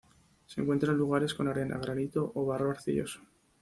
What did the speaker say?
Se encuentra en lugares con arena, granito o barro arcilloso.